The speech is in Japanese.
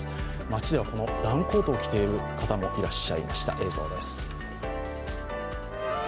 街ではダウンコートを着ていらっしゃる方もいらっしゃいました。